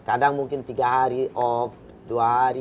kadang mungkin tiga hari off dua hari